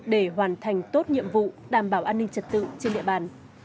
để hoàn thành tốt nhiệm vụ đảm bảo an ninh trật tự trên địa bàn